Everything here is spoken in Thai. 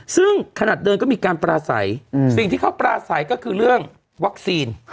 ซึ่งขนาดเดินก็มีการปราศัยสิ่งที่เขาปราศัยก็คือเรื่องวัคซีน